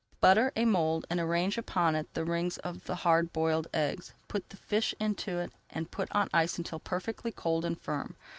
Butter a mould and arrange upon it the rings of the hard boiled eggs. Put the fish into it and put on ice until perfectly cold and firm.